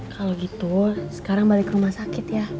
kalau gitu sekarang balik ke rumah sakit ya